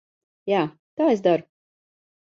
Jā, tā es daru.